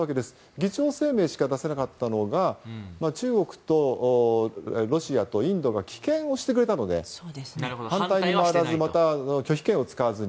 議長声明しか出せなかったのが中国とロシアとインドが棄権をしてくれたので反対に回らずまた、拒否権を使わずに。